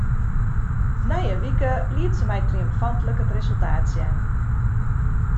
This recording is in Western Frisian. Nei in wike liet se my triomfantlik it resultaat sjen.